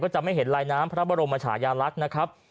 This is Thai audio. ก็จะไม่เห็นลายน้ำพระบรมมาฉายานรักนะครับ